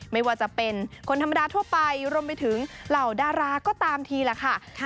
ไม่ว่าจะเป็นคนธรรมดาทั่วไปรวมไปถึงเหล่าดาราก็ตามทีล่ะค่ะ